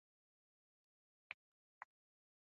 د ریګ دښتې د افغانستان د اقتصادي منابعو ارزښت زیاتوي.